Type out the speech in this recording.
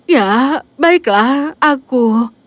ya baiklah aku